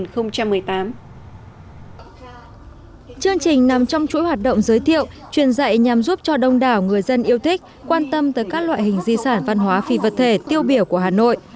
chương trình nằm trong chuỗi hoạt động giới thiệu truyền dạy nhằm giúp cho đông đảo người dân yêu thích quan tâm tới các loại hình di sản văn hóa phi vật thể tiêu biểu của hà nội